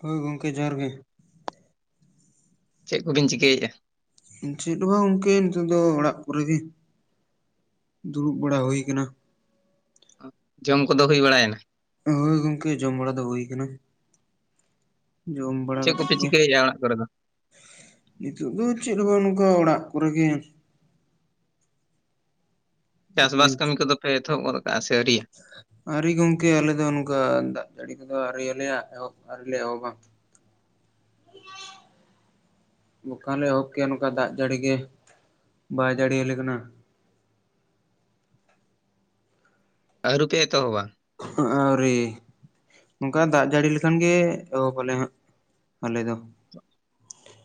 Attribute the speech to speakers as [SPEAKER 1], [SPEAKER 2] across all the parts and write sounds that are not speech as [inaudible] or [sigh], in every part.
[SPEAKER 1] ᱦᱳᱭ ᱜᱚᱝᱠᱮ ᱡᱚᱦᱟᱨ ᱜᱮ
[SPEAKER 2] ᱪᱮᱫ ᱠᱚᱵᱤᱱ ᱪᱤᱠᱟᱹᱭᱮᱜᱼᱟ?
[SPEAKER 1] ᱪᱮᱫ ᱫᱚ ᱵᱟᱝ ᱜᱚᱝᱠᱮ ᱱᱤᱛᱚᱜ ᱫᱚ ᱚᱲᱟᱜ ᱠᱚᱨᱮ ᱜᱮ ᱫᱩᱲᱩᱵ ᱵᱟᱲᱟ ᱦᱩᱭ ᱟᱠᱟᱱᱟ
[SPEAKER 2] ᱡᱚᱢ ᱠᱚᱫᱚ ᱦᱩᱭ ᱵᱟᱲᱟᱭᱮᱱᱟ?
[SPEAKER 1] ᱦᱮ ᱜᱚᱝᱠᱮ ᱡᱚᱢ ᱵᱟᱲᱟ ᱫᱚ ᱦᱩᱭ ᱟᱠᱟᱱᱟ ᱡᱚᱢ ᱵᱟᱲᱟ
[SPEAKER 2] ᱪᱮᱫ
[SPEAKER 1] ᱠᱟᱛᱮᱫ
[SPEAKER 2] ᱠᱚᱯᱮ
[SPEAKER 1] ᱜᱮ
[SPEAKER 2] ᱪᱤᱠᱟᱹᱭᱮᱫᱼᱟ ᱚᱲᱟᱜ ᱠᱚᱨᱮ ᱫᱚ?
[SPEAKER 1] ᱱᱤᱛᱚᱜ ᱫᱚ ᱪᱮᱜ ᱦᱚᱸ ᱵᱟᱝ ᱱᱚᱝᱠᱟ ᱚᱲᱟᱜ ᱠᱚᱨᱮ ᱜᱮ ᱪᱮᱫ
[SPEAKER 2] ᱪᱟᱥᱵᱟᱥ ᱠᱟᱹᱢᱤ ᱠᱚᱫᱚ ᱯᱮ ᱮᱛᱚᱦᱚᱵ ᱜᱚᱫ ᱟᱠᱟᱜ ᱟᱥᱮ ᱟᱹᱣᱨᱤᱭᱟ
[SPEAKER 1] [inaudible] ᱟᱹᱨᱤ ᱜᱚᱝᱠᱮ ᱟᱞᱮ ᱫᱚ ᱱᱚᱝᱠᱟ ᱫᱟᱜ ᱡᱟᱹᱲᱤ ᱠᱚᱫᱚ ᱟᱹᱣᱨᱤ ᱟᱞᱮᱭᱟ ᱮᱦᱚᱵ ᱟ. ᱟᱣᱨᱤᱞᱮ ᱮᱦᱚᱵᱼᱟ [inaudible] ᱵᱚᱠᱷᱟᱱ ᱞᱮ ᱮᱦᱚᱵᱠᱮᱭᱟ ᱱᱚᱝᱠᱟ ᱫᱟᱜ ᱡᱟᱹᱲᱤ ᱜᱮ ᱵᱟᱭ ᱡᱟᱲᱭᱟᱞᱮ ᱠᱟᱱᱟ
[SPEAKER 2] ᱟ. ᱣᱨᱤᱯᱮ ᱮᱛᱚᱦᱚᱵᱟ
[SPEAKER 1] ᱟᱸᱜ ᱟᱹᱣᱨᱤ ᱱᱚᱝᱠᱟ
[SPEAKER 2] ᱦᱩᱸ,
[SPEAKER 1] ᱫᱟᱜ ᱡᱟᱹᱲᱤ ᱞᱮᱼᱼ ᱠᱷᱟᱱ ᱜᱮ ᱮᱦᱚᱵ ᱟᱞᱮ ᱦᱟᱸ ᱟᱞᱮ ᱫᱚ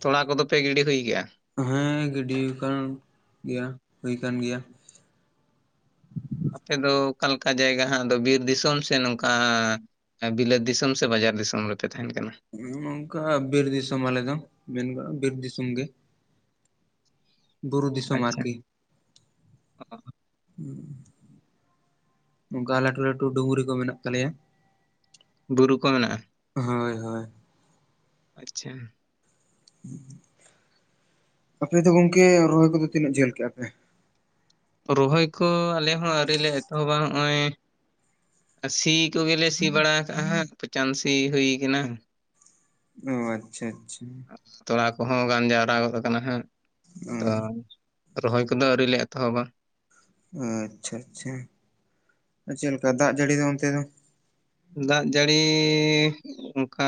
[SPEAKER 2] ᱛᱚᱲᱟ ᱠᱚᱫᱚ ᱯᱮ ᱜᱤᱰᱤ ᱦᱩᱭ ᱠᱮᱜᱼᱟ?
[SPEAKER 1] ᱦᱮᱸ ᱜᱤᱰᱤ ᱠᱟᱱ ᱜᱮᱭᱟ, ᱦᱩᱭ ᱠᱟᱱ ᱜᱮᱭᱟ᱾
[SPEAKER 2] ᱟᱯᱮ ᱫᱚ ᱚᱠᱟ ᱞᱮᱠᱟ ᱡᱟᱭᱜᱟ ᱦᱟᱸᱜ ᱫᱚ ᱵᱤᱨ ᱫᱤᱥᱚᱢ ᱥᱮ ᱱᱚᱝᱠᱟ ᱵᱤᱞᱟᱹᱛ ᱫᱤᱥᱚᱢ ᱥᱮ ᱵᱟᱡᱟᱨ ᱫᱤᱥᱚᱢ ᱨᱮᱯᱮ ᱛᱟᱦᱮᱱ ᱠᱟᱱᱟ?
[SPEAKER 1] ᱱᱚᱝᱠᱟ ᱵᱤᱨ ᱫᱤᱥᱚᱢ ᱟᱞᱮ ᱫᱚ ᱢᱮᱱ ᱜᱟᱱᱚᱜᱼᱟ ᱵᱤᱨ ᱫᱤᱥᱚᱢ ᱜᱮ ᱵᱩᱨᱩ ᱫᱤᱥᱚᱢ
[SPEAKER 2] ᱟᱪᱪᱷᱟ
[SPEAKER 1] ᱟᱨᱠᱤ ᱱᱚᱝᱠᱟ ᱞᱟᱹᱴᱩ ᱞᱟᱹᱴᱩ ᱰᱩᱝᱨᱤ ᱠᱚ ᱢᱮᱱᱟᱜ ᱛᱟᱞᱮᱭᱟᱹ
[SPEAKER 2] ᱵᱩᱨᱩ ᱠᱚ ᱢᱮᱱᱟᱜᱼᱟ
[SPEAKER 1] ᱦᱳᱭ ᱦᱳᱭ
[SPEAKER 2] ᱟᱪᱪᱷᱟ
[SPEAKER 1] [unintelligible] ᱟᱯᱮ ᱫᱚ ᱜᱚᱝᱠᱮ ᱨᱚᱦᱚᱭ ᱠᱚᱫᱚ ᱛᱤᱱᱟᱹᱜ ᱡᱷᱟᱹᱞ ᱠᱮᱜᱼᱟ ᱯᱮ
[SPEAKER 2] ᱨᱚᱦᱚᱭ ᱠᱚ ᱟᱞᱮ ᱦᱚᱸ ᱟᱹᱣᱨᱤ ᱞᱮ ᱮᱛᱚᱦᱚᱵᱟ ᱦᱚᱸᱜ ᱚᱭ ᱟᱨ ᱥᱤ ᱠᱚᱜᱮᱞᱮ ᱥᱤ ᱵᱟᱲᱟ ᱟᱠᱟᱜᱼᱟ ᱦᱟᱸ ᱯᱚᱪᱟᱱ ᱥᱤ ᱦᱩᱭ ᱠᱟᱱᱟᱹ
[SPEAKER 1] ᱚ ᱟᱪᱪᱷᱟ ᱟᱪᱪᱷᱟ᱾
[SPEAKER 2] ᱛᱚᱲᱟ ᱠᱚᱦᱚᱸ ᱜᱟᱱ ᱡᱟᱣᱨᱟ ᱜᱚᱫ ᱠᱟᱱᱟ ᱦᱟᱸᱜ,
[SPEAKER 1] ᱚ
[SPEAKER 2] ᱟᱫᱚ ᱨᱚᱦᱚᱭ ᱠᱚᱫᱚ ᱟᱹᱣᱨᱤ ᱞᱮ ᱮᱛᱚᱦᱚᱵᱟ᱾
[SPEAKER 1] ᱚ ᱟᱪᱪᱷᱟ ᱪᱷᱟ ᱪᱷᱟ ᱪᱮᱫ ᱞᱮᱠᱟ ᱫᱟᱜ ᱡᱟᱹᱲᱤ ᱫᱚ ᱚᱱᱛᱮ ᱫᱚ?
[SPEAKER 2] ᱫᱟᱜ ᱡᱟᱹᱲᱤ ᱚᱠᱟ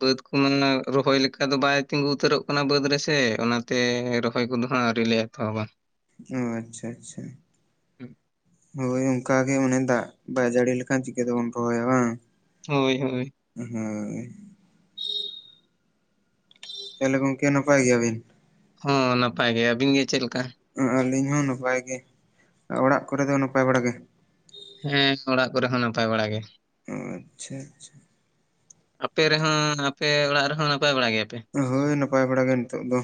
[SPEAKER 2] ᱵᱟᱹᱫ ᱠᱚ ᱢᱟᱱᱮ ᱨᱚᱦᱚᱭ ᱞᱮᱠᱟ ᱫᱚ ᱵᱟᱭ ᱛᱤᱸᱜᱩ ᱩᱛᱟᱹᱨᱚᱜ ᱠᱟᱱᱟ ᱵᱟᱹᱫᱽ ᱨᱮᱥᱮ, ᱚᱱᱟ ᱛᱮ ᱨᱚᱦᱚᱭ ᱠᱚᱫᱚ ᱦᱟᱸᱜ ᱟᱹᱣᱨᱤ ᱞᱮ ᱮᱛᱚᱦᱚᱵᱟ᱾
[SPEAKER 1] ᱚ ᱟᱪᱪᱷᱟ ᱪᱷᱟ᱾ ᱦᱳᱭ ᱚᱱᱠᱟ ᱜᱮ ᱚᱱᱮ ᱫᱟᱜ ᱵᱟᱭ ᱡᱟᱹᱲᱤ ᱞᱮᱠᱷᱟᱱ ᱪᱤᱠᱟᱹᱛᱮᱵᱚᱱ ᱨᱚᱦᱚᱭ-ᱟ ᱵᱟᱝ
[SPEAKER 2] ᱦᱳᱭ ᱦᱳᱭ
[SPEAKER 1] ᱦᱳᱸᱭ ᱪᱮᱞᱮ ᱜᱚᱢᱠᱮ ᱱᱟᱯᱟᱭ ᱜᱮᱭᱟ ᱵᱤᱱ
[SPEAKER 2] ᱦᱚᱸ ᱱᱟᱯᱟᱭ ᱜᱮ ᱟᱹᱵᱤᱱ ᱜᱮ ᱪᱮᱫ ᱞᱮᱠᱟ
[SPEAKER 1] ᱟᱹᱞᱤᱧ ᱦᱚᱸ ᱱᱟᱯᱟᱭ ᱜᱮ ᱚᱲᱟᱜ ᱠᱚᱨᱮ ᱫᱚ ᱱᱟᱯᱟᱭ ᱵᱟᱲᱟ ᱜᱮ
[SPEAKER 2] ᱦᱮᱸ ᱚᱲᱟᱜ ᱠᱚᱨᱮ ᱦᱚᱸ ᱱᱟᱯᱟᱭ ᱵᱟᱲᱟ ᱜᱮ
[SPEAKER 1] ᱚ ᱟᱪᱪᱷᱟ ᱟᱪᱪᱷᱟ
[SPEAKER 2] ᱟᱯᱮ ᱨᱮᱦᱚᱸ ᱟᱯᱮ ᱚᱲᱟᱜ ᱨᱮᱦᱚᱸ ᱱᱟᱯᱟᱭ ᱵᱟᱲᱟ ᱜᱮᱭᱟ ᱯᱮ
[SPEAKER 1] ᱦᱳᱭ ᱱᱟᱯᱟᱭ ᱵᱟᱲᱟ ᱜᱮ ᱱᱤᱛᱚᱜ ᱫᱚ᱾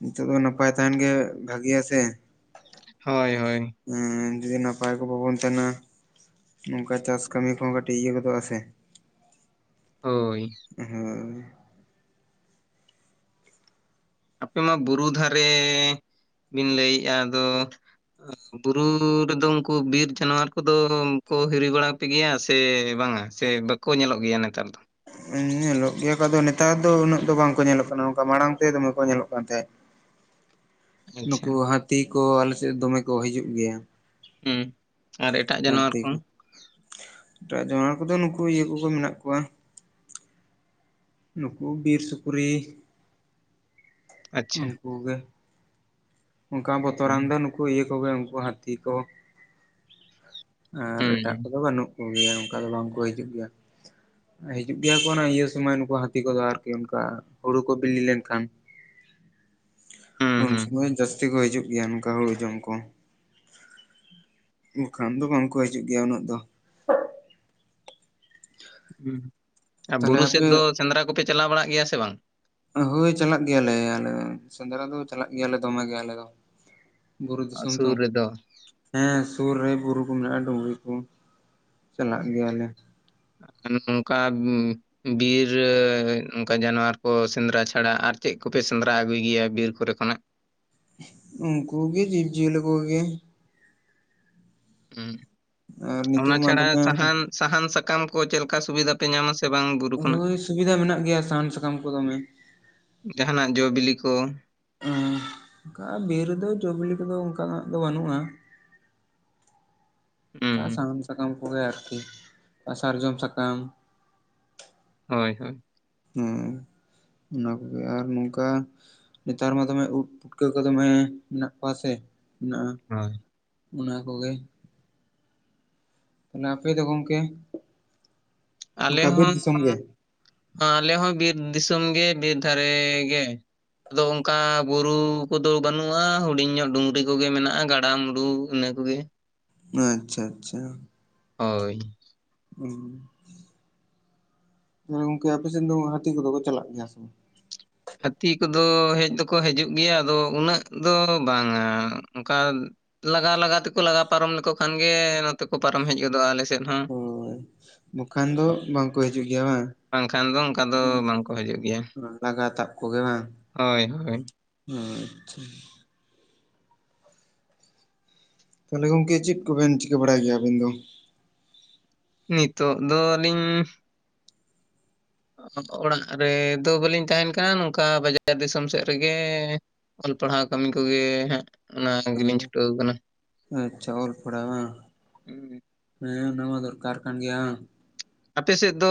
[SPEAKER 1] ᱱᱤᱛᱚᱜ ᱫᱚ ᱱᱟᱯᱟᱭ ᱛᱟᱸᱦᱮᱱ ᱜᱮ ᱵᱷᱟᱹᱜᱮᱭᱟ ᱥᱮ?
[SPEAKER 2] ᱦᱳᱭ ᱦᱳᱭ᱾
[SPEAKER 1] ᱩᱸ ᱡᱩᱫᱤ ᱱᱟᱯᱟᱭ ᱠᱚ ᱵᱟᱵᱚᱱ ᱛᱟᱦᱮᱱᱟ ᱱᱚᱝᱠᱟ ᱪᱟᱥ ᱠᱟᱹᱢᱤ ᱠᱚᱦᱚᱸ ᱠᱟᱹᱴᱤᱡ ᱤᱭᱟᱹ ᱜᱚᱫᱚᱜᱼᱟ ᱥᱮ?
[SPEAKER 2] ᱦᱳᱭ᱾
[SPEAKER 1] ᱦᱳᱭ,
[SPEAKER 2] ᱟᱯᱮ ᱢᱟ ᱵᱩᱨᱩ ᱫᱷᱟᱨᱮ ᱵᱤᱱ ᱞᱟᱹᱭ ᱮᱭᱼᱟ ᱟᱫᱚ ᱵᱩᱨᱩ ᱨᱮᱫᱚ ᱩᱱᱠᱩ ᱵᱤᱨ ᱡᱟᱱᱣᱟᱨ ᱠᱚᱫᱚ ᱠᱚ ᱦᱤᱨᱤ ᱵᱟᱲᱟ ᱯᱮ ᱜᱮᱭᱟ ᱥᱮ ᱵᱟᱝ-ᱟ? ᱥᱮ ᱵᱟᱠᱚ ᱧᱮᱞᱚᱜ ᱜᱮᱭᱟ ᱱᱮᱛᱟᱨ ᱫᱚ?
[SPEAKER 1] ᱦᱮ ᱧᱮᱞᱚᱜ ᱜᱮᱭᱟ ᱠᱚ ᱟᱫᱚ ᱱᱮᱛᱟᱨ ᱫᱚ ᱩᱱᱟᱹᱜ ᱫᱚ ᱵᱟᱝᱠᱚ ᱧᱮᱞᱚᱜ ᱠᱟᱱᱟ ᱚᱱᱠᱟ ᱢᱟᱲᱟᱝ ᱛᱮ ᱫᱚᱢᱮ ᱠᱚ ᱧᱮᱞᱚᱜ ᱠᱟᱱ ᱛᱟᱦᱮᱸᱫ
[SPEAKER 2] ᱟᱪᱪᱷᱟ
[SPEAKER 1] ᱱᱩᱠᱩ ᱦᱟᱹᱛᱤ ᱠᱚ ᱟᱞᱮ ᱥᱮᱫ ᱫᱚᱢᱮ ᱠᱚ ᱦᱤᱡᱩᱜ ᱜᱮᱭᱟ
[SPEAKER 2] ᱦᱮᱸ ᱟᱨ ᱮᱴᱟᱜ ᱡᱟᱱᱣᱟᱨ
[SPEAKER 1] ᱦᱟᱹᱛᱤ
[SPEAKER 2] ᱠᱷᱚᱱ
[SPEAKER 1] ᱠᱚ ᱮᱴᱟᱜ ᱡᱟᱱᱣᱟᱨ ᱠᱚᱫᱚ ᱱᱩᱠᱩ ᱤᱭᱟᱹ ᱠᱚᱜᱮ ᱢᱮᱱᱟᱜ ᱠᱚᱣᱟ ᱱᱩᱠᱩ ᱵᱤᱨ ᱥᱩᱠᱨᱤ
[SPEAKER 2] ᱟᱪᱪᱷᱟ
[SPEAKER 1] ᱩᱱᱠᱩ ᱜᱮ ᱚᱱᱠᱟ
[SPEAKER 2] ᱦᱳᱭ,
[SPEAKER 1] ᱵᱚᱛᱚᱨᱟᱱ ᱫᱚ ᱱᱩᱠᱩ ᱤᱭᱟᱹ ᱠᱚᱜᱮ ᱩᱱᱠᱩ ᱦᱟᱹᱛᱤ ᱠᱚ ᱟᱨ ᱮᱴᱟᱜ
[SPEAKER 2] ᱦᱩᱸ,
[SPEAKER 1] ᱠᱚᱫᱚ ᱵᱟᱹᱱᱩᱜ ᱠᱚᱜᱮᱭᱟ ᱚᱱᱠᱟ ᱫᱚ ᱵᱟᱝ ᱠᱚ ᱦᱤᱡᱩᱜ ᱜᱮᱭᱟ ᱦᱤᱡᱩᱜ ᱜᱮᱭᱟ ᱠᱚ ᱚᱱᱟ ᱤᱭᱟᱹ ᱥᱚᱢᱚᱭ ᱱᱩᱠᱩ ᱦᱟᱹᱛᱤ ᱠᱚᱫᱚ ᱟᱨᱠᱤ ᱚᱱᱠᱟ ᱦᱩᱲᱩ ᱠᱚ ᱵᱤᱞᱤ ᱞᱮᱱᱠᱷᱟᱱ
[SPEAKER 2] ᱦᱩᱸ,
[SPEAKER 1] ᱩᱱ
[SPEAKER 2] ᱦᱩᱸ,
[SPEAKER 1] ᱥᱚᱢᱚᱭ ᱡᱟᱹᱥᱛᱤ ᱠᱚ ᱦᱤᱡᱩᱜ ᱜᱮᱭᱟ ᱚᱱᱠᱟ ᱦᱩᱲᱩ ᱡᱚᱢ ᱠᱚ ᱵᱟᱠᱷᱟᱱ ᱫᱚ ᱵᱟᱝ ᱠᱚ ᱦᱤᱡᱩᱜ ᱜᱮᱭᱟ ᱩᱱᱟᱹᱜ ᱫᱚ
[SPEAKER 2] ᱦᱩ ᱟᱨ
[SPEAKER 1] ᱛᱟᱦᱚᱞᱮ
[SPEAKER 2] ᱵᱩᱨᱩ ᱥᱮᱫ
[SPEAKER 1] ᱟᱯᱮ
[SPEAKER 2] ᱫᱚ ᱥᱮᱸᱫᱽᱨᱟ ᱠᱚᱯᱮ ᱪᱟᱞᱟᱣ ᱵᱟᱲᱟᱜ ᱜᱮᱭᱟ ᱥᱮ ᱵᱟᱝ
[SPEAKER 1] ᱦᱳᱭ ᱪᱟᱞᱟᱜ ᱜᱮᱭᱟ ᱞᱮ ᱟᱞᱮ ᱥᱮᱸᱫᱽᱨᱟ ᱫᱚ ᱪᱟᱞᱟᱜ ᱜᱮᱭᱟ ᱞᱮ ᱫᱚᱢᱮ ᱜᱮᱭᱟ ᱟᱞᱮ ᱫᱚ ᱵᱩᱨᱩ
[SPEAKER 2] ᱟᱨ
[SPEAKER 1] ᱫᱤᱥᱚᱢ ᱛᱚ
[SPEAKER 2] ᱥᱩᱨ ᱨᱮᱫᱚ
[SPEAKER 1] ᱦᱮᱸ ᱥᱩᱨ ᱨᱮ ᱵᱩᱨᱩ ᱠᱚ ᱢᱮᱱᱟᱜ-ᱟ ᱰᱩᱝᱨᱤ ᱠᱚ ᱪᱟᱞᱟᱜ ᱜᱮᱭᱟᱞᱮ
[SPEAKER 2] ᱟᱨ ᱱᱚ ᱚ ᱱᱚᱝᱠᱟ ᱵᱤᱨ ᱚᱱᱠᱟ ᱡᱟᱱᱣᱟᱨ ᱠᱚ ᱥᱮᱸᱫᱽᱨᱟ ᱪᱷᱟᱲᱟ ᱟᱨ ᱪᱮᱫ ᱠᱚᱯᱮ ᱥᱮᱸᱫᱽᱨᱟ ᱟᱹᱜᱩᱭ ᱜᱮᱭᱟ ᱵᱤᱨ ᱠᱚᱨᱮ ᱠᱷᱚᱱᱟᱜ
[SPEAKER 1] ᱩᱱᱠᱩ ᱜᱮ ᱡᱤᱵᱽ ᱡᱤᱭᱟᱹᱞᱤ ᱠᱚᱜᱮ
[SPEAKER 2] ᱦᱩ
[SPEAKER 1] ᱟᱨ
[SPEAKER 2] ᱚᱱᱟ
[SPEAKER 1] ᱱᱤᱛᱚᱜ ᱢᱟ
[SPEAKER 2] ᱪᱷᱟᱲᱟ
[SPEAKER 1] ᱫᱚᱢᱮ
[SPEAKER 2] ᱥᱟᱦᱟᱱ ᱥᱟᱦᱟᱱ ᱥᱟᱠᱟᱢ ᱠᱚ ᱪᱮᱫ ᱞᱮᱠᱟ ᱥᱩᱵᱤᱫᱟ ᱯᱮ ᱧᱟᱢ ᱟ ᱥᱮ ᱵᱟᱝ ᱵᱩᱨᱩ ᱠᱷᱚᱱᱟᱜ?
[SPEAKER 1] ᱦᱳᱭ ᱥᱩᱵᱤᱫᱷᱟ ᱢᱮᱱᱟᱜ ᱜᱮᱭᱟ ᱥᱟᱦᱟᱱ ᱥᱟᱠᱟᱢ ᱠᱚ ᱫᱚᱢᱮ
[SPEAKER 2] ᱡᱟᱦᱟ ᱱᱟᱜ ᱡᱚ ᱵᱤᱞᱤ ᱠᱚ
[SPEAKER 1] ᱚᱱᱠᱟ ᱵᱤᱨ ᱨᱮᱫᱚ ᱡᱚᱵᱤᱞᱤ ᱠᱚᱫᱚ ᱚᱱᱠᱟᱱᱟᱜ ᱫᱚ ᱵᱟᱹᱱᱩᱜ-ᱟ
[SPEAKER 2] ᱦᱩᱸ,
[SPEAKER 1] ᱥᱟᱦᱟᱱ ᱥᱟᱠᱟᱢ ᱠᱚᱜᱮ ᱟᱨᱠᱤ ᱟᱨ ᱥᱟᱨᱡᱚᱢ ᱥᱟᱠᱟᱢ᱾
[SPEAKER 2] ᱦᱚᱭ ᱦᱚᱭ᱾
[SPEAKER 1] ᱦᱩᱸ ᱚᱱᱟ ᱠᱚᱜᱮ ᱟᱨ ᱱᱚᱝᱠᱟ ᱱᱮᱛᱟᱨ ᱢᱟ ᱫᱚᱢᱮ ᱩᱫ ᱯᱩᱴᱠᱟᱹ ᱠᱚ ᱫᱚᱢᱮ ᱢᱮᱱᱟᱜ ᱠᱚᱣᱟ ᱥᱮ ᱢᱮᱱᱟᱜᱼᱟ᱾
[SPEAKER 2] ᱦᱚᱭ᱾
[SPEAKER 1] ᱚᱱᱟ ᱠᱚᱜᱮ᱾ ᱟᱯᱮ ᱫᱚ ᱜᱚᱝᱠᱮ ᱚᱱᱠᱟ ᱵᱤᱨ ᱫᱤᱥᱚᱢ ᱜᱮ?
[SPEAKER 2] ᱦᱟᱞᱮ ᱦᱚᱸ ᱵᱤᱨ ᱫᱤᱥᱚᱢ ᱜᱮ ᱵᱤᱨ ᱫᱷᱟᱨᱮ ᱜᱮ ᱟᱫᱚ ᱚᱱᱠᱟ ᱵᱩᱨᱩ ᱠᱚᱫᱚ ᱵᱟᱹᱱᱩᱜᱼᱟ ᱦᱩᱰᱤᱧ ᱧᱚᱜ ᱰᱩᱝᱜᱨᱤ ᱠᱚᱜᱮ ᱢᱮᱱᱟᱜᱼᱟ ᱜᱟᱰᱟ ᱢᱩᱰᱩ ᱤᱱᱟᱹ ᱠᱚᱜᱮ᱾
[SPEAKER 1] ᱟᱪᱪᱷᱟ-ᱟᱪᱪᱷᱟ᱾
[SPEAKER 2] ᱦᱳᱭ
[SPEAKER 1] ᱦᱩᱸ ᱜᱚᱝᱠᱮ ᱟᱯᱮ ᱥᱮᱫ ᱫᱚ ᱦᱟᱹᱛᱤ ᱠᱚ ᱫᱚ ᱠᱚ ᱪᱟᱞᱟᱜ ᱜᱮᱭᱟ ᱥᱮ ᱵᱟᱝ
[SPEAKER 2] ᱦᱟᱹᱛᱤ ᱠᱚᱫᱚ ᱦᱮᱡ ᱫᱚᱠᱚ ᱦᱤᱡᱩᱜ ᱜᱮᱭᱟ ᱟᱫᱚ ᱩᱱᱟᱹᱜ ᱫᱚ ᱵᱟᱝᱟ ᱚᱱᱠᱟ ᱞᱟᱜᱟ ᱞᱟᱜᱟ ᱛᱮᱠᱚ ᱞᱟᱜᱟ ᱯᱟᱨᱚᱢ ᱞᱮᱠᱚ ᱠᱷᱟᱱᱜᱮ ᱱᱚᱛᱮ ᱠᱚ ᱯᱟᱨᱚᱢ ᱦᱮᱡ ᱜᱚᱫᱚᱜᱼᱟ ᱟᱞᱮᱥᱮᱫ ᱦᱚᱸ᱾
[SPEAKER 1] ᱦᱳᱭ ᱵᱟᱠᱷᱟᱱ ᱫᱚ ᱵᱟᱝᱠᱚ ᱦᱤᱡᱩᱜ ᱜᱮᱭᱟ ᱵᱟᱝ?
[SPEAKER 2] ᱵᱟᱝᱠᱷᱟᱱ ᱫᱚ ᱚᱱᱠᱟ ᱫᱚ
[SPEAKER 1] ᱩᱱᱠᱩ
[SPEAKER 2] ᱵᱟᱝᱠᱚ ᱦᱤᱡᱩᱜ ᱜᱮᱭᱟ
[SPEAKER 1] ᱞᱟᱜᱟ ᱛᱟᱵ ᱠᱚᱜᱮ ᱵᱟᱝ?
[SPEAKER 2] ᱦᱳᱭ ᱦᱳᱭ
[SPEAKER 1] ᱟᱪᱪᱷᱟ᱾ ᱛᱟᱦᱚᱞᱮ ᱜᱚᱝᱠᱮ ᱪᱮᱫ ᱠᱚᱵᱮᱱ ᱪᱤᱠᱟᱹ ᱵᱟᱲᱟᱭ ᱜᱮᱭᱟ ᱟᱵᱤᱱ ᱫᱚ
[SPEAKER 2] ᱱᱤᱛᱚᱜ ᱫᱚ ᱟ. ᱞᱤᱧ ᱚᱲᱟᱜ ᱨᱮ ᱫᱚ ᱵᱟᱹᱞᱤᱧ ᱛᱟᱦᱮᱸᱱ ᱠᱟᱱᱟ ᱱᱚᱝᱠᱟ ᱵᱟᱡᱟᱨ ᱫᱤᱥᱚᱢ ᱥᱮᱫ ᱨᱮ ᱜᱮ ᱚᱞ ᱯᱟᱲᱦᱟᱣ ᱠᱟᱹᱢᱤ ᱠᱚ ᱜᱮ ᱦᱟᱸᱜ ᱚᱱᱟ ᱜᱮ ᱞᱤᱧ ᱪᱷᱩᱴᱟᱹᱣ ᱟᱠᱟᱱᱟ
[SPEAKER 1] ᱟᱪᱪᱷᱟ ᱚᱞ ᱯᱚᱲᱦᱟᱣ ᱦᱚᱸ ᱱᱟᱣᱟ ᱫᱚᱨᱠᱟᱨᱠᱟᱱ ᱜᱮᱭᱟ᱾
[SPEAKER 2] ᱟᱯᱮ ᱥᱮᱫ ᱫᱚ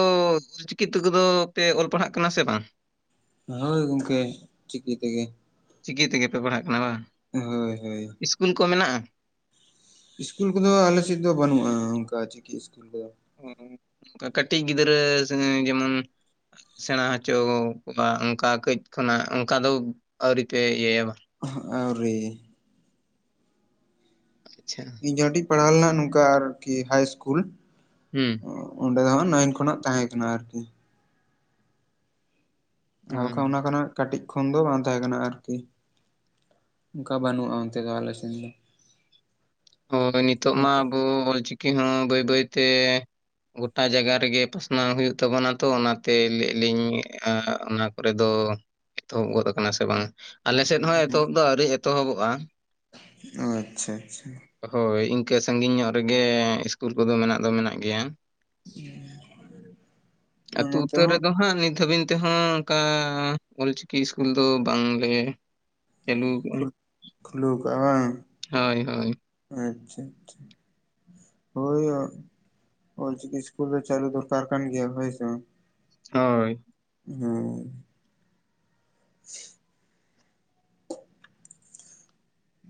[SPEAKER 2] ᱚᱞᱪᱤᱠᱤ ᱛᱮᱠᱚ ᱫᱚ ᱯᱮ ᱚᱞ ᱯᱟᱲᱦᱟᱜ ᱠᱟᱱᱟ ᱥᱮ ᱵᱟᱝ?
[SPEAKER 1] ᱦᱳᱭ ᱜᱚᱝᱠᱮ ᱪᱤᱠᱤ ᱛᱮᱜᱮ᱾
[SPEAKER 2] ᱪᱤᱠᱤ ᱛᱮᱜᱮ ᱯᱮ ᱯᱟᱲᱦᱟᱜ ᱠᱟᱱᱟ ᱵᱟᱝ
[SPEAKER 1] ᱦᱚᱭ ᱦᱚᱭ᱾
[SPEAKER 2] ᱤᱥᱠᱩᱞ ᱠᱚ ᱢᱮᱱᱟᱜᱼᱟ?
[SPEAKER 1] ᱤᱥᱠᱩᱞ ᱠᱚᱫᱚ ᱟᱞᱮᱥᱮᱫ ᱫᱚ ᱵᱟᱹᱱᱩᱜᱼᱟ ᱚᱱᱠᱟ ᱪᱤᱠᱤ ᱤᱥᱠᱩᱞ ᱠᱚᱫᱚ᱾
[SPEAKER 2] ᱠᱟᱹᱴᱤᱡ ᱜᱤᱫᱽᱨᱟᱹ ᱡᱮᱢᱚᱱ ᱥᱮᱲᱟ ᱦᱚᱪᱚ ᱠᱚᱣᱟ ᱚᱱᱠᱟ ᱠᱟᱹᱡ ᱠᱷᱚᱱᱟᱜ ᱚᱱᱠᱟ ᱫᱚ ᱟᱹᱣᱨᱤ ᱯᱮ ᱤᱭᱟᱹᱭᱟ ᱵᱟᱝ
[SPEAKER 1] ᱟᱣᱨᱤ
[SPEAKER 2] ᱟᱪᱪᱷᱟ
[SPEAKER 1] ᱤᱧ ᱡᱟᱦᱟᱸ ᱴᱤᱡ ᱯᱟᱲᱦᱟᱣ ᱞᱮᱱᱟ ᱱᱚᱝᱠᱟ ᱟᱨᱠᱤ ᱦᱟᱭ ᱤᱥᱠᱩᱞ
[SPEAKER 2] ᱦᱩᱸ᱾
[SPEAKER 1] ᱚᱸᱰᱮ ᱦᱚ ᱱᱟᱹᱭᱤᱱ ᱠᱷᱚᱱᱟᱜ ᱛᱟᱦᱮᱸ ᱠᱟᱱᱟ ᱟᱨᱠᱤ ᱟᱨ
[SPEAKER 2] ᱦᱩᱸ
[SPEAKER 1] ᱵᱟᱠᱷᱟᱱ ᱚᱱᱟ ᱠᱷᱚᱱᱟᱜ ᱠᱟᱹᱴᱤᱡ ᱠᱷᱚᱱ ᱫᱚ ᱵᱟᱝ ᱛᱟᱸᱦᱮ ᱠᱟᱱᱟ ᱟᱨᱠᱤ᱾ ᱚᱱᱠᱟ ᱵᱟᱹᱱᱩᱜ ᱟ ᱚᱱᱛᱮᱫᱚ ᱟᱞᱮᱨᱮᱱ ᱫᱚ᱾
[SPEAKER 2] ᱦᱳᱭ ᱱᱤᱛᱚᱜ ᱢᱟ
[SPEAKER 1] ᱱᱚᱝᱠᱟ
[SPEAKER 2] ᱟᱵᱚ ᱚᱞᱪᱤᱠᱤ ᱦᱚᱸ ᱵᱟᱹᱭ ᱵᱟᱹᱭᱛᱮᱻ ᱜᱚᱴᱟ ᱡᱟᱭᱜᱟ ᱨᱮᱜᱮ ᱯᱟᱥᱱᱟᱣ ᱦᱩᱭᱩᱜ ᱛᱟᱵᱚᱱᱟ ᱛᱚ ᱚᱱᱟᱛᱮ ᱞᱟᱹᱭ ᱟᱞᱤᱧ ᱚᱱᱟ ᱠᱚᱨᱮ ᱫᱚ᱾ ᱮᱛᱚᱦᱚᱵ ᱜᱚᱫ ᱟᱠᱟᱱᱟ ᱥᱮ ᱵᱟᱝ ᱟᱞᱮ ᱥᱮᱫ ᱦᱚᱸ ᱮᱛᱚᱦᱚᱵ ᱫᱚ ᱟᱹᱣᱨᱤ ᱮᱛᱚᱦᱚᱵᱚᱜᱼᱟ᱾
[SPEAKER 1] ᱟᱪᱪᱷᱟ ᱟᱪᱪᱷᱟ
[SPEAKER 2] ᱦᱳᱭ ᱤᱱᱠᱟᱹ ᱥᱟᱺᱜᱤᱧ ᱧᱚᱜ ᱨᱮᱜᱮ ᱤᱥᱠᱩᱞ ᱠᱚᱫᱚ ᱢᱮᱱᱟᱜ ᱫᱚ ᱢᱮᱱᱟᱜ ᱜᱮᱭᱟ᱾ ᱟᱛᱳ
[SPEAKER 1] ᱱᱚᱛᱮ
[SPEAKER 2] ᱩᱛᱟᱹᱨ ᱨᱮ
[SPEAKER 1] ᱦᱚᱸ
[SPEAKER 2] ᱫᱚ ᱦᱟᱸᱜ ᱱᱤᱛ ᱦᱟᱹᱵᱤᱡ ᱛᱮᱦᱚᱸ ᱚᱱᱠᱟ ᱚᱞᱪᱤᱠᱤ ᱥᱤᱥᱠᱩᱞ ᱫᱚ ᱵᱟᱝ ᱞᱮ
[SPEAKER 1] ᱠᱷᱩᱞ ᱠᱷᱩᱞᱟᱹᱣ
[SPEAKER 2] [unintelligible]
[SPEAKER 1] ᱟᱪᱪᱷᱟᱼᱟᱪᱪᱷᱟ᱾ ᱦᱳᱭ ᱚᱞᱪᱤᱠᱤ ᱤᱥᱠᱩᱞ ᱫᱚ ᱪᱟᱹᱞᱩ ᱫᱚᱨᱠᱟᱨ ᱠᱟᱱ ᱜᱮᱭᱟ ᱦᱳᱭ ᱥᱮ ᱵᱟᱝ
[SPEAKER 2] ᱦᱳᱭ
[SPEAKER 1] ᱦᱩᱸ᱾ ᱦ [inaudible]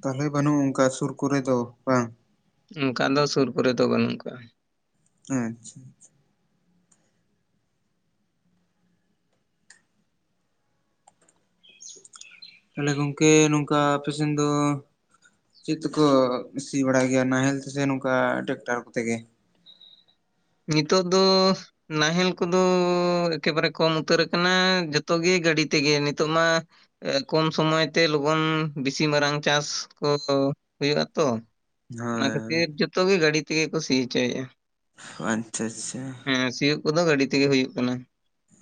[SPEAKER 1] ᱛᱟᱦᱚᱞᱮ ᱵᱟᱹᱱᱩᱜ ᱚᱱᱠᱟ ᱥᱩᱨ ᱠᱚᱨᱮ ᱫᱚ ᱵᱟᱝ
[SPEAKER 2] ᱚᱱᱠᱟ ᱫᱚ ᱥᱩᱨ ᱠᱚᱨᱮ ᱫᱚ ᱵᱟᱹᱱᱩᱜ ᱠᱟᱣᱟ᱾
[SPEAKER 1] ᱦᱮᱸ ᱟᱪᱷᱟ ᱟᱪᱷᱟ᱾ ᱛᱟᱦᱞᱮ ᱜᱚᱝᱠᱮ ᱱᱚᱝᱠᱟ ᱟᱯ ᱥᱮᱱ ᱫᱚ᱾ ᱪᱮᱫ ᱛᱮᱠᱚ ᱥᱤ ᱵᱟᱲᱟᱭ ᱜᱮᱭᱟ ᱱᱟᱦᱮᱞ ᱛᱮ ᱥᱮ ᱱᱚᱝᱠᱟ ᱴᱮᱠᱴᱟᱨ ᱠᱚᱛᱮ ᱜᱮ?
[SPEAKER 2] ᱱᱤᱛᱚᱜ ᱫᱚᱻ᱾ ᱱᱟᱦᱮᱞ ᱠᱚᱫᱚᱻ ᱮᱠᱮᱵᱟᱨᱮ ᱠᱚᱢ ᱩᱛᱟᱹᱨ ᱟᱠᱟᱱᱟ ᱡᱚᱛᱚᱜᱮ ᱜᱟᱹᱰᱤ ᱛᱮᱜᱮ ᱱᱤᱛᱚᱜ ᱢᱟ᱾ ᱠᱚᱢ ᱥᱚᱢᱚᱭ ᱛᱮ ᱞᱚᱜᱚᱱ ᱵᱮᱥᱤ ᱢᱟᱨᱟᱝ ᱪᱟᱥ ᱠᱚ ᱦᱩᱭᱩᱜ ᱟ ᱛᱚ᱾ ᱚᱱᱟ ᱠᱷᱟᱹᱛᱤᱨ
[SPEAKER 1] ᱦᱳᱭ
[SPEAKER 2] ᱡᱚᱛᱚ ᱜᱮ ᱜᱟᱹᱰᱤ ᱛᱮᱜᱮ ᱠᱚ ᱥᱤᱪᱦᱚᱪᱚᱭᱟ᱾
[SPEAKER 1] ᱟᱪᱷᱟ ᱟᱪᱷᱟ᱾
[SPEAKER 2] ᱦᱮᱸ ᱥᱤᱭᱳᱜ ᱠᱚᱫᱚ ᱜᱟᱹᱰᱤ ᱛᱮᱜᱮ ᱦᱩᱭᱩᱜᱳ ᱠᱟᱱᱟ᱾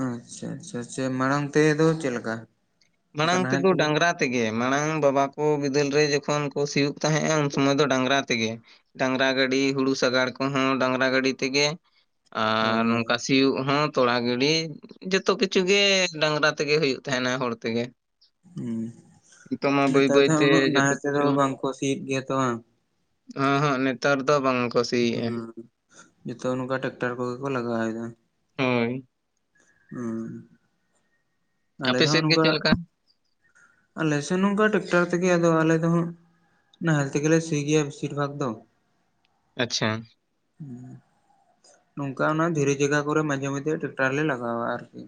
[SPEAKER 1] ᱟᱪᱷᱟ ᱟᱪᱷᱟ ᱟᱪᱷᱟ ᱢᱟᱲᱟᱝ ᱛᱮᱫᱚ ᱪᱮᱫ ᱞᱮᱠᱟ? ᱚᱱᱠᱟ
[SPEAKER 2] ᱢᱟᱲᱟᱝ ᱛᱮ
[SPEAKER 1] ᱱᱟᱦᱮᱞ
[SPEAKER 2] ᱫᱚᱩ
[SPEAKER 1] ᱛᱮᱜᱮ
[SPEAKER 2] ᱰᱟᱝᱨᱟ᱾ ᱛᱮᱜᱮ ᱢᱟᱲᱟᱝ ᱵᱟᱵᱟ ᱠᱚ ᱵᱤᱫᱟᱹᱞ ᱨᱮ ᱡᱚᱠᱷᱚᱱ ᱠᱚ ᱥᱤᱭᱳᱜ ᱛᱟᱦᱮᱸᱫᱼᱟ ᱩᱱ ᱥᱚᱢᱚᱭ ᱫᱚ ᱰᱟᱝᱨᱟ ᱛᱮᱜᱮ᱾ ᱰᱟᱝᱨᱟ ᱜᱟᱹᱰᱤ ᱦᱩᱲᱩ ᱥᱟᱜᱟᱲ ᱠᱚᱦᱚᱸ ᱰᱟᱝᱨᱟ ᱜᱟᱹᱰᱤ ᱛᱮᱜᱮ᱾ ᱟᱨ
[SPEAKER 1] ᱦᱳᱭ
[SPEAKER 2] ᱱᱚᱝᱠᱟ ᱥᱤᱭᱳᱜ ᱦᱚᱸ᱾ ᱛᱚᱲ ᱜᱤᱰᱤ ᱡᱚᱛᱚ ᱠᱤᱪᱷᱩ ᱜᱮ ᱰᱟᱝᱨᱟ ᱛᱮᱜᱮ ᱦᱩᱭᱩᱜ ᱛᱟᱦᱮᱱᱟ ᱦᱚᱲ ᱛᱮᱜᱮ᱾ ᱱᱤᱛᱚᱜ ᱢᱟ
[SPEAKER 1] ᱦᱮᱸ
[SPEAKER 2] ᱵᱟᱹᱭ
[SPEAKER 1] ᱱᱮᱛᱟᱨ ᱫᱚ
[SPEAKER 2] ᱵᱟᱹᱭᱛᱮ
[SPEAKER 1] ᱩᱱᱟᱹᱜ ᱱᱟᱦᱟ
[SPEAKER 2] ᱡᱚᱛᱚ
[SPEAKER 1] ᱛᱮᱫᱚ
[SPEAKER 2] ᱠᱤᱪᱷᱩ
[SPEAKER 1] ᱵᱟᱝᱠᱚ ᱥᱤᱭᱮᱫ ᱜᱮᱭᱟ ᱛᱚ ᱵᱟᱝ᱾
[SPEAKER 2] ᱚᱸᱦᱚᱜ ᱱᱮᱛᱟᱨ ᱫᱚ ᱵᱟᱝ᱾ ᱠᱚ
[SPEAKER 1] ᱦᱩᱸ
[SPEAKER 2] ᱥᱤᱭᱮᱜᱼᱟ
[SPEAKER 1] ᱡᱚᱛᱚ ᱱᱚᱝᱠᱟ ᱴᱨᱟᱠᱴᱟᱨ ᱠᱚᱜᱮ ᱠᱚ ᱞᱟᱜᱟᱣᱮᱫᱟ᱾
[SPEAKER 2] ᱦᱳᱭ
[SPEAKER 1] ᱦᱩᱸᱻ᱾
[SPEAKER 2] ᱟᱯᱮ ᱥᱮᱫ ᱜᱮ ᱪᱮᱫ ᱞᱮᱠᱟ?
[SPEAKER 1] ᱟᱞᱮᱥᱮᱱ ᱱᱚᱝᱠᱟ ᱴᱮᱠᱴᱟᱨ ᱛᱮᱜᱮ ᱟᱫᱚ ᱟᱞᱮ ᱫᱚ ᱦᱟᱜ᱾ ᱱᱟᱦᱮᱞ ᱛᱮᱜᱮ ᱞᱮ ᱥᱤ ᱜᱮᱭᱟ ᱵᱮᱥᱤᱨ ᱵᱷᱟᱜ ᱫᱚ᱾
[SPEAKER 2] ᱟᱪᱷᱟ᱾
[SPEAKER 1] ᱦᱩᱸ᱾ ᱱᱚᱝᱠᱟ ᱚᱱᱟ ᱫᱷᱤᱨᱤ ᱡᱟᱭᱜᱟ ᱠᱚᱨᱮ ᱢᱟᱡᱷᱮ ᱢᱟᱡᱷᱮ ᱴᱨᱟᱠᱴᱟᱨ ᱞᱮ ᱞᱟᱜᱟᱣᱟ ᱟᱨᱠᱤ᱾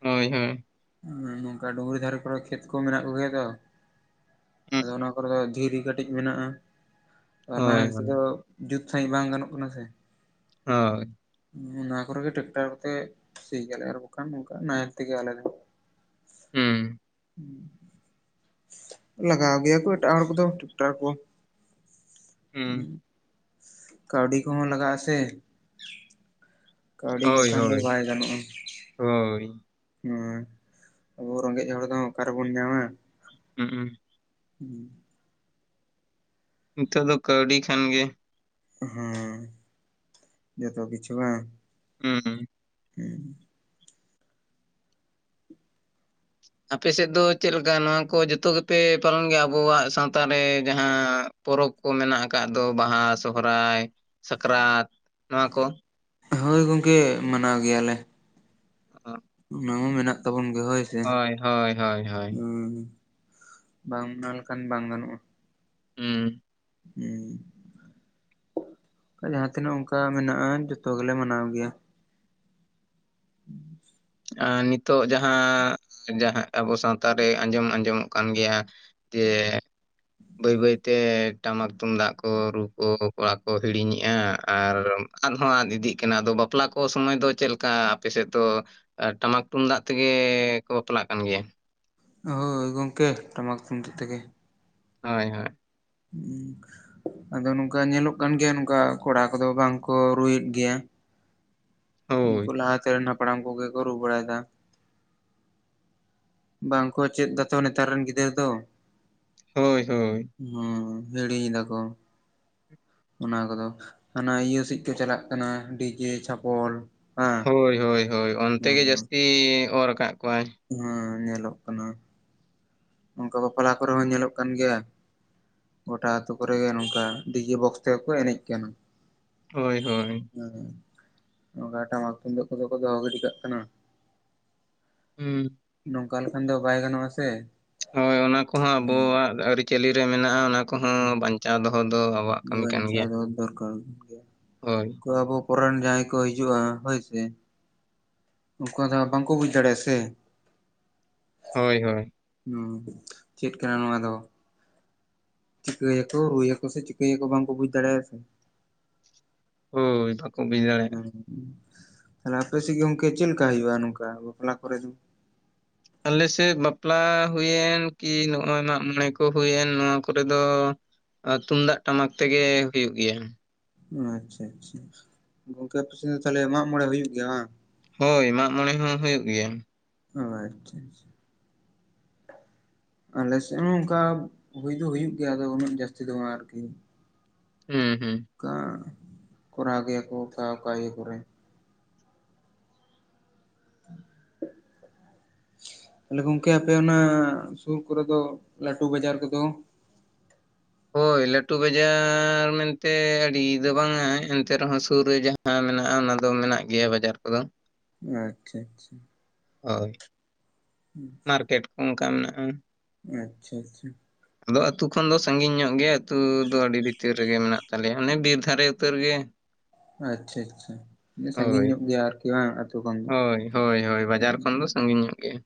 [SPEAKER 2] ᱦᱳᱭ ᱦᱳᱭ᱾
[SPEAKER 1] ᱦᱩᱸ ᱱᱚᱝᱠᱟ ᱰᱩᱝᱨᱤ ᱫᱷᱟᱨᱮ ᱠᱚᱨᱮ ᱠᱷᱮᱛ ᱠᱚ ᱢᱮᱱᱟᱜ ᱠᱚᱜᱮᱭᱟ ᱛᱚ᱾
[SPEAKER 2] ᱦᱩᱸ
[SPEAKER 1] ᱟᱫᱚ
[SPEAKER 2] ᱦᱩᱸ
[SPEAKER 1] ᱚᱱᱟ ᱠᱚᱨᱮ ᱫᱚ ᱫᱷᱤᱨᱤ ᱠᱟᱹᱴᱤᱡ ᱢᱮᱱᱟᱜᱼᱟᱫᱚ
[SPEAKER 2] ᱦᱳᱭ
[SPEAKER 1] ᱱᱟᱦᱮᱞ
[SPEAKER 2] ᱦᱳᱭ
[SPEAKER 1] ᱛᱮᱫᱚ᱾ ᱡᱩᱛ ᱥᱟᱺᱦᱤᱡ ᱵᱟᱝ ᱜᱟᱱᱚᱜ ᱠᱟᱱᱟ ᱥᱮ?
[SPEAKER 2] ᱦᱳᱭ᱾
[SPEAKER 1] ᱚᱱᱟ ᱠᱚᱨᱮᱜ ᱜᱮ ᱴᱨᱟᱠᱴᱟᱨ ᱠᱳᱛᱮ ᱥᱤ ᱜᱮᱞᱮ ᱟᱨ ᱵᱟᱝᱠᱷᱟᱱ ᱚᱱᱠᱟ ᱱᱟᱦᱮᱞ ᱛᱮᱜᱮ ᱟᱞᱮ ᱫᱚ᱾
[SPEAKER 2] ᱦᱩᱸ
[SPEAKER 1] ᱞᱟᱜᱟᱣ ᱜᱮᱭᱟ ᱠᱚ ᱮᱴᱟᱜ ᱦᱚᱲ ᱠᱚᱫᱚ ᱴᱟᱠᱴᱟᱨ ᱠᱚ᱾
[SPEAKER 2] ᱦᱩᱸ᱾
[SPEAKER 1] ᱠᱟᱹᱣᱰᱤ ᱠᱚᱦᱚᱸ ᱞᱟᱜᱟᱜᱼᱟ ᱥᱮ᱾ ᱠᱟᱹᱣᱰᱤ ᱵᱟᱝᱠᱷᱟᱱ ᱫᱚ ᱵᱟᱭ ᱜᱟᱱᱚᱜᱼᱟ᱾
[SPEAKER 2] ᱦᱳᱭᱻ᱾
[SPEAKER 1] ᱦᱮᱸ ᱟᱵᱚ ᱨᱮᱸᱜᱮᱡ ᱦᱚᱲ ᱫᱚ ᱚᱠ ᱨᱮᱵᱚᱱ ᱧᱟᱢᱟ᱾
[SPEAKER 2] ᱦᱩᱸᱜᱽᱩᱸ᱾
[SPEAKER 1] ᱦᱩᱸ᱾
[SPEAKER 2] ᱱᱤᱛᱚᱜ ᱫᱚ ᱠᱟᱹᱣᱰᱤ ᱠᱷᱟᱱ ᱜᱮ᱾
[SPEAKER 1] ᱦᱮᱸ ᱡᱚᱛᱚ ᱠᱤᱪᱷᱩ ᱵᱟᱝ᱾
[SPEAKER 2] ᱦᱩᱸ᱾
[SPEAKER 1] ᱦᱩᱸᱻ᱾
[SPEAKER 2] ᱟᱯᱮ ᱥᱮᱫ ᱫᱚ ᱪᱮᱫ ᱞᱮᱠᱟ ᱱᱚᱣᱟ ᱠᱚ ᱡᱚᱛᱚ ᱜᱮᱯᱮ ᱯᱟᱞᱚᱱ ᱜᱮᱭᱟ ᱟᱵᱚᱣᱟᱜ ᱥᱟᱶᱛᱟ ᱨᱮ ᱡᱟᱦᱟᱸᱻ᱾? ᱯᱚᱨᱚᱵᱽ ᱠᱚ ᱢᱮᱱᱟᱜ ᱟᱠᱟᱫ ᱫᱚ ᱵᱟᱦᱟ ᱥᱚᱦᱨᱟᱭ ᱥᱟᱠᱨᱟᱛ ᱱᱚᱶᱟ ᱠᱚ᱾
[SPEAKER 1] ᱦᱳᱭ ᱜᱚᱝᱠᱮ ᱢᱟᱱᱟᱣ ᱜᱮᱭᱟᱞᱮ
[SPEAKER 2] ᱚ
[SPEAKER 1] ᱚᱱᱟ ᱢᱟ ᱢᱮᱱᱟᱜ ᱛᱟᱵᱚᱱ ᱜᱮᱭᱟ ᱦᱳᱭ ᱥᱮ
[SPEAKER 2] ᱦᱳᱭ ᱦᱳᱭ ᱦᱳᱭ
[SPEAKER 1] ᱦᱮᱸ ᱵᱟᱝ ᱚᱱᱟ ᱞᱮᱠᱷᱟᱱ ᱵᱟᱝ ᱜᱟᱱᱚᱜᱼᱟ
[SPEAKER 2] ᱦᱩᱸ
[SPEAKER 1] ᱦᱮᱸ ᱚᱝᱠᱟ ᱡᱟᱦᱟᱸ ᱛᱤᱱᱟᱹᱜ ᱚᱝᱠᱟ ᱢᱮᱱᱟᱜᱼᱟ ᱡᱚᱛᱚ ᱜᱮᱞᱮ ᱢᱟᱱᱟᱣ ᱜᱮᱭᱟ ᱦᱮᱸ
[SPEAKER 2] ᱟᱨ ᱱᱤᱛᱚᱜ ᱡᱟᱦᱟᱸ ᱡᱟᱦᱟᱸ ᱟᱵᱚ ᱥᱟᱶᱛᱟ ᱨᱮ ᱟᱸᱡᱚᱢ ᱟᱸᱡᱚᱢᱚᱜ ᱠᱟᱱ ᱜᱮᱭᱟ ᱛᱮ ᱵᱟᱹᱭ ᱵᱟᱹᱭ ᱛᱮ ᱴᱟᱢᱟᱠ ᱛᱩᱢᱫᱟᱜ ᱠᱚ ᱨᱩ ᱠᱚ ᱠᱚᱲᱟ ᱠᱚ ᱦᱤᱲᱤᱧᱮᱜᱼᱟ ᱟᱨ ᱟᱫ ᱦᱚᱸ ᱟᱫ ᱤᱫᱤᱜ ᱠᱟᱱᱟ ᱟᱫᱚ ᱵᱟᱯᱞᱟ ᱠᱚ ᱥᱚᱢᱚᱭ ᱫᱚ ᱪᱮᱫ ᱞᱮᱠᱟ ᱟᱯᱮ ᱥᱮᱫ ᱫᱚ ᱴᱟᱢᱟᱠ ᱛᱩᱝᱫᱟᱜ ᱛᱮᱜᱮ ᱠᱚ ᱵᱟᱯᱞᱟᱜ ᱠᱟᱱ ᱜᱮᱭᱟ
[SPEAKER 1] ᱦᱳᱭ ᱜᱚᱝᱠᱮ ᱴᱟᱢᱟᱠ ᱛᱩᱢᱫᱟᱜ ᱛᱮᱜᱮ
[SPEAKER 2] ᱦᱳᱭ ᱦᱳᱭ
[SPEAKER 1] ᱦᱩᱸ ᱟᱫᱚ ᱱᱚᱝᱠᱟ ᱧᱮᱞᱚᱜ ᱠᱟᱱ ᱜᱮᱭᱟ ᱱᱚᱝᱠᱟ ᱠᱚᱲᱟ ᱠᱚᱫᱚ ᱵᱟᱝ ᱠᱚ ᱨᱩᱭᱮᱫ ᱜᱮᱭᱟ ᱩᱝᱠᱩ ᱞᱟᱦᱟ ᱛᱮᱨᱤᱱ ᱦᱟᱯᱲᱟᱢ ᱠᱚᱜᱮ ᱠᱚ ᱨᱩ ᱵᱟᱲᱟᱭᱫᱟ ᱵᱟᱝ ᱠᱚ ᱪᱮᱫ ᱫᱟᱛᱚ ᱱᱮᱛᱟᱨ ᱨᱤᱱ ᱜᱤᱫᱽᱨᱟᱹ ᱫᱚ
[SPEAKER 2] ᱦᱳᱭ ᱦᱳᱭ
[SPEAKER 1] ᱦᱩᱸ ᱦᱤᱲᱤᱧ ᱫᱟ ᱠᱚ ᱚᱱᱟ ᱠᱚᱫᱚ ᱦᱟᱱᱟ ᱤᱭᱟᱹ ᱥᱮᱫ ᱠᱚ ᱪᱟᱞᱟᱜ ᱠᱟᱱᱟ ᱰᱤᱡᱮ ᱪᱷᱟᱯᱚᱞ ᱦᱮᱸ
[SPEAKER 2] ᱦᱳᱭ ᱦᱳᱭ ᱦᱳᱭ ᱚᱱᱛᱮ ᱜᱮ
[SPEAKER 1] ᱦᱩᱸ
[SPEAKER 2] ᱡᱟᱹᱥᱛᱤ ᱚᱨ ᱠᱟᱜ ᱠᱚᱣᱟᱭ
[SPEAKER 1] ᱦᱮᱸ ᱧᱮᱞᱚᱜ ᱠᱟᱱᱟ ᱚᱝᱠᱟ ᱵᱟᱯᱞᱟ ᱠᱚᱨᱮ ᱦᱚᱸ ᱧᱮᱞᱚᱜ ᱠᱟᱱ ᱜᱮᱭᱟ ᱜᱚᱴᱟ ᱟᱹᱛᱩ ᱠᱚᱨᱮ ᱜᱮ ᱱᱚᱝᱠᱟ ᱰᱤᱡᱮ ᱵᱚᱠᱥ ᱛᱮᱜᱮ ᱠᱚ ᱮᱱᱮᱡ ᱠᱟᱱᱟ
[SPEAKER 2] ᱦᱳᱭ ᱦᱳᱭ
[SPEAKER 1] ᱦᱮᱸ ᱱᱚᱝᱠᱟ ᱴᱟᱢᱟᱠ ᱛᱩᱝᱫᱟᱜ ᱠᱚᱫᱚ ᱠᱚ ᱫᱚᱦᱚ ᱜᱤᱰᱤ ᱠᱟᱜ ᱠᱟᱱᱟ
[SPEAKER 2] ᱦᱩᱸ
[SPEAKER 1] ᱱᱚᱝᱠᱟ ᱞᱮᱠᱷᱟᱱ ᱫᱚ ᱵᱟᱭ ᱜᱟᱱᱚᱜᱼᱟ ᱥᱮ
[SPEAKER 2] ᱦᱳᱭ ᱚᱱᱟ ᱠᱚᱦᱚᱸ
[SPEAKER 1] ᱦᱮᱸ
[SPEAKER 2] ᱟᱵᱚᱣᱟᱜ ᱟᱹᱨᱤᱪᱟᱹᱞᱤ ᱨᱮ ᱢᱮᱱᱟᱜᱼᱟ ᱚᱱᱟ ᱠᱚᱦᱚᱸ ᱵᱟᱧᱪᱟᱣ ᱫᱚᱦᱚ ᱫᱚ ᱟᱵᱚᱣᱟᱜ ᱠᱟᱹᱢᱤ ᱠᱟᱱ ᱜᱮᱭᱟ
[SPEAKER 1] ᱫᱟᱨᱠᱟᱨ [inaudible]
[SPEAKER 2] ᱦᱳᱭ
[SPEAKER 1] ᱟᱵᱚ ᱯᱚᱨᱮᱱ ᱡᱟᱦᱟᱸᱭ ᱠᱚ ᱦᱤᱡᱩᱜᱼᱟ ᱦᱳᱭ ᱥᱮ ᱩᱱᱠᱩ ᱫᱚᱦᱟᱜ ᱵᱟᱝᱠᱚ ᱵᱩᱡᱽ ᱫᱟᱲᱮᱭᱟᱜᱼᱟ ᱥᱮ
[SPEAKER 2] ᱦᱳᱭ ᱦᱳᱭ
[SPEAKER 1] ᱦᱩᱸ ᱪᱮᱫ ᱠᱟᱱᱟ ᱱᱚᱣᱟ ᱫᱚ ᱪᱤᱠᱟᱹᱭᱟᱠᱚ ᱨᱩᱭᱟᱠᱚ ᱥᱮ ᱪᱤᱠᱟᱹᱭᱟᱠᱚ ᱵᱟᱝ ᱠᱚ ᱵᱩᱡᱽ ᱫᱟᱲᱮᱭᱟᱜᱼᱟ ᱥᱮ
[SPEAKER 2] ᱦᱳᱭ ᱵᱟᱠᱚ ᱵᱩᱡ ᱫᱟᱲᱮᱭᱟᱜᱼᱟ
[SPEAKER 1] ᱛᱟᱦᱞᱮ ᱟᱯᱮᱥᱮᱜ ᱜᱚᱝᱠᱮ ᱪᱮᱜ ᱞᱮᱠᱟ ᱦᱩᱭᱩᱜᱼᱟ ᱱᱚᱝᱠᱟ ᱵᱟᱯᱞᱟ ᱠᱚᱨᱮ ᱫᱚ
[SPEAKER 2] ᱟᱞᱮ ᱥᱮᱜ ᱵᱟᱯᱞᱟ ᱦᱩᱭᱮᱱ ᱠᱤ ᱱᱚᱜᱼᱚᱭ ᱢᱟᱜ ᱢᱚᱬᱮ ᱠᱚ ᱦᱩᱭᱮᱱ ᱱᱚᱣᱟ ᱠᱚᱨᱮ ᱫᱚ ᱛᱩᱢᱫᱟᱜ ᱴᱟᱢᱟᱠ ᱛᱮᱜᱮ ᱦᱩᱭᱩᱜ ᱜᱮᱭᱟ
[SPEAKER 1] ᱚ ᱟᱪᱪᱷᱟ ᱟᱪᱪᱷᱟ ᱜᱚᱝᱠᱮ ᱟᱯᱮ ᱥᱮᱫ ᱫᱚ ᱛᱟᱦᱞᱮ ᱢᱟᱜ ᱢᱚᱬᱮ ᱦᱩᱭᱩᱜ ᱜᱮᱭᱟ ᱵᱟᱝ
[SPEAKER 2] ᱦᱳᱭ ᱢᱟᱜ ᱢᱚᱬᱮ ᱦᱚᱸ ᱦᱩᱭᱩᱜ ᱜᱮᱭᱟ
[SPEAKER 1] ᱚ ᱟᱪᱪᱷᱟ ᱟᱪᱪᱷᱟ ᱟᱞᱮ ᱥᱮᱜ ᱦᱚᱸ ᱚᱝᱠᱟ ᱦᱩᱭ ᱫᱚ ᱦᱩᱭᱩᱜ ᱜᱮᱭᱟ ᱟᱫᱚ ᱩᱱᱟᱹᱜ ᱡᱟᱹᱥᱛᱤ ᱫᱚ ᱵᱟᱝᱼᱟ ᱟᱨᱠᱤ
[SPEAKER 2] ᱦᱩᱸ ᱦᱩᱸ
[SPEAKER 1] ᱠᱚ ᱠᱚᱨᱟᱣ ᱜᱮᱭᱟ ᱠᱚ ᱚᱠᱟ ᱚᱠᱟ ᱤᱭᱟᱹ ᱠᱚᱨᱮ [unintelligible] ᱛᱟᱦᱞᱮ ᱜᱚᱝᱠᱮ ᱟᱯᱮ ᱚᱱᱟ ᱥᱩᱨ ᱠᱚᱨᱮ ᱫᱚ ᱞᱟᱹᱴᱩ ᱵᱟᱡᱟᱨ ᱠᱚᱫᱚ
[SPEAKER 2] ᱦᱳᱭ ᱞᱟᱹᱴᱩ ᱵᱟᱡᱟᱨ ᱢᱮᱱᱛᱮ ᱟᱹᱰᱤ ᱫᱚ ᱵᱟᱝᱟ ᱮᱱᱛᱮ ᱨᱮᱦᱚᱸ ᱥᱩᱨ ᱨᱮ ᱡᱟᱦᱟᱸ ᱦᱮᱸ ᱢᱮᱱᱟᱜᱼᱟ ᱚᱱᱟ ᱫᱚ ᱢᱮᱱᱟᱜ ᱜᱮᱭᱟ ᱵᱟᱡᱟᱨ ᱠᱚᱫᱚ
[SPEAKER 1] ᱟᱪᱪᱷᱟ ᱟᱪᱪᱷᱟ
[SPEAKER 2] ᱚ
[SPEAKER 1] [unintelligible]
[SPEAKER 2] ᱢᱟᱨᱠᱮᱴ ᱠᱚ ᱚᱱᱠᱟ ᱢᱮᱱᱟᱜᱼᱟ
[SPEAKER 1] ᱟᱪᱪᱷᱟ ᱟᱪᱪᱷᱟ
[SPEAKER 2] ᱟᱫᱚ ᱟᱹᱛᱩ ᱠᱷᱚᱱ ᱫᱚ ᱥᱟᱺᱜᱤᱧ ᱧᱚᱜ ᱜᱮᱭᱟ ᱟᱹᱛᱩ ᱫᱚ ᱟᱹᱰᱤ ᱵᱷᱤᱛᱤᱨ ᱨᱮᱜᱮ ᱢᱮᱱᱟᱜ ᱛᱟᱞᱮᱭᱟ ᱚᱱᱮ ᱵᱤᱨ ᱫᱷᱟᱨᱮ ᱩᱛᱟᱹᱨ ᱜᱮ
[SPEAKER 1] [unintelligible] ᱟᱪᱪᱷᱟ ᱟᱪᱪᱷᱟ ᱥᱟᱺᱟᱹᱜᱤᱧ
[SPEAKER 2] ᱦᱳᱭ
[SPEAKER 1] ᱧᱚᱜ ᱜᱮᱭᱟ ᱟᱨᱠᱤ ᱵᱟᱝ ᱠᱷᱚᱱ ᱫᱚ
[SPEAKER 2] ᱠᱷᱟᱲᱠᱷᱚᱱᱰ ᱫᱚ ᱥᱟᱺᱜᱤᱧ ᱧᱚᱜ ᱜᱮᱭᱟ